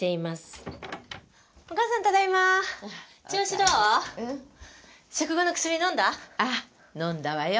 ああ飲んだわよ。